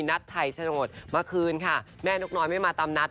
นัดไทยโฉนดเมื่อคืนค่ะแม่นกน้อยไม่มาตามนัด